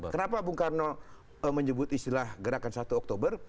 kenapa bung karno menyebut istilah gerakan satu oktober